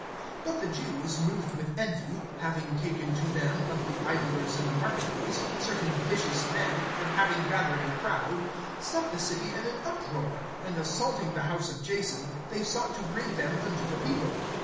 (5)But the Jews, moved with envy[17:5], having taken to them, of the idlers in the market place, certain vicious men, and having gathered a crowd, set the city in an uproar; and assaulting the house of Jason, they sought to bring them unto the people.